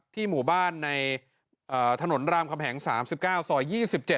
หมู่บ้านในถนนรามคำแหง๓๙ซอย๒๗